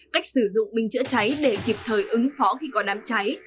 cách sử dụng bình chữa cháy để kịp thời ứng phó khi có đám cháy